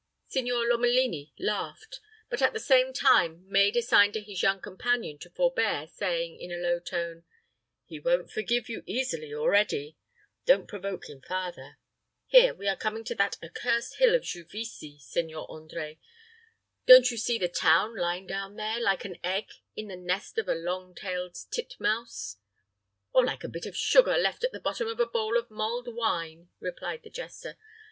Signor Lomelini laughed, but at the same time made a sign to his young companion to forbear, saying, in a low tone, "He won't forgive you easily, already. Don't provoke him farther. Here we are coming to that accursed hill of Juvisy, Seigneur André. Don't you see the town lying down there, like an egg in the nest of a long tailed titmouse?" "Or like a bit of sugar left at the bottom of a bowl of mulled wine," replied the jester.